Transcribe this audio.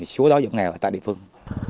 xuống đó dẫn nghèo tại địa phương